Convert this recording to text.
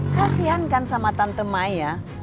kasihankan sama tante maya